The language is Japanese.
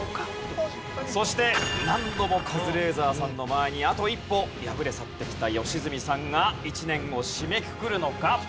そして何度もカズレーザーさんの前にあと一歩敗れ去ってきた良純さんが一年を締めくくるのか？